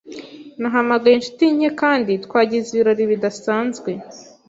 Nahamagaye inshuti nke kandi twagize ibirori bidasanzwe.